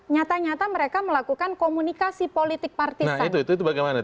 nyata nyata mereka melakukan komunikasi politik partisan